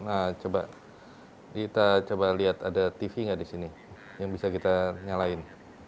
nah coba kita coba lihat ada tv gak disini yang bisa kita nyalain